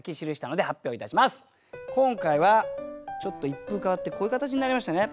今回はちょっと一風変わってこういう形になりましたね。